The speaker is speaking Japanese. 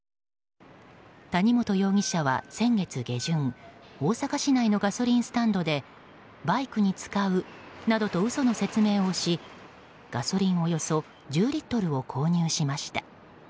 谷本容疑者は先月下旬大阪市内のガソリンスタンドでバイクに使うなどと嘘の説明をしガソリンおよそ１０リットルを購入しました。